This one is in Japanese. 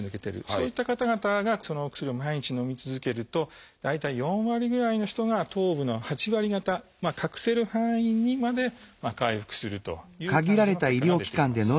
そういった方々がそのお薬を毎日のみ続けると大体４割ぐらいの人が頭部の８割方隠せる範囲にまで回復するという感じの結果が出ています。